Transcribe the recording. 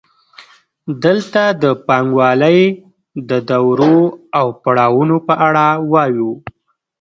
دلته د پانګوالۍ د دورو او پړاوونو په اړه وایو